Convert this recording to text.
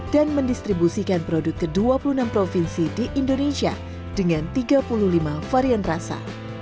dan mendistribusikan produk ke dua puluh enam provinsi di indonesia dengan tiga puluh lima varian rasa